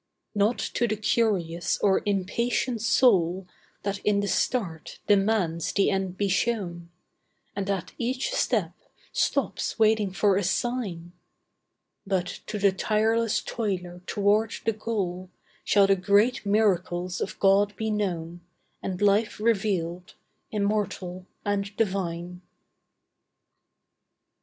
Not to the curious or impatient soul That in the start, demands the end be shown, And at each step, stops waiting for a sign; But to the tireless toiler toward the goal, Shall the great miracles of God be known And life revealed, immortal and divine.